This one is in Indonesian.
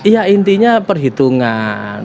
ya intinya perhitungan